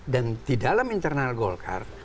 dan di dalam internal golkar